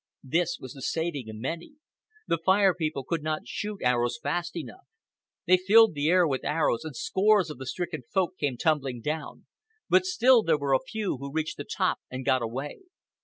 This was the saving of many. The Fire People could not shoot arrows fast enough. They filled the air with arrows, and scores of the stricken Folk came tumbling down; but still there were a few who reached the top and got away.